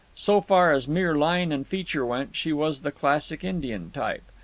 So far as mere line and feature went, she was the classic Indian type.